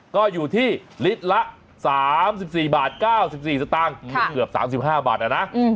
ก็อยู่ที่ลิตรละ๓๔บาท๙๔สตางค์เกือบ๓๕บาทนะ